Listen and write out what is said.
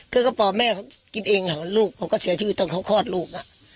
คือกระป๋อแม่เขากินเองลูกเขาก็เสียชีวิตตอนเขาคลอดลูก